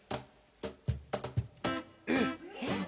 えっ？